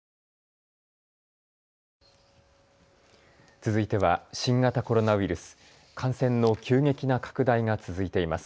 続いては新型コロナウイルス、感染の急激な拡大が続いています。